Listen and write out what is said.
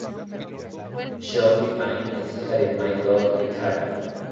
Shelby Bain es hija de Michael y Tara.